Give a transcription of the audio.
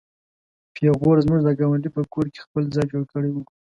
پيغو زموږ د ګاونډي په کور کې خپل ځای جوړ کړی و.